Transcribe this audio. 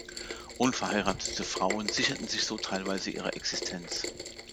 Unverheiratete Frauen sicherten sich so teilweise ihre Existenz.